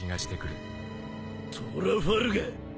トラファルガー。